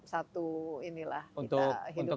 satu inilah kita hidup